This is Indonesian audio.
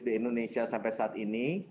di indonesia sampai saat ini